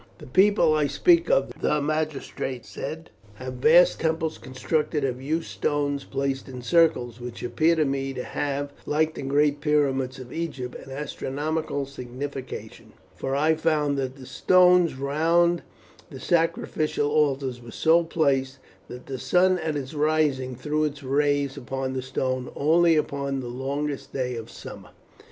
"The people I speak of," the magistrate said, "have vast temples constructed of huge stones placed in circles, which appear to me to have, like the great pyramids of Egypt, an astronomical signification, for I found that the stones round the sacrificial altars were so placed that the sun at its rising threw its rays upon the stone only upon the longest day of summer."